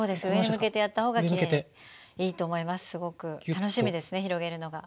楽しみですね広げるのが。